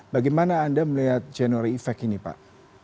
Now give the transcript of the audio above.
bagaimana anda melihat genory effect ini pak